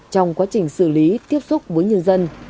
trong quá trình xử lý tiếp xúc với nhân dân